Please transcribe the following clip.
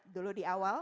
dulu di awal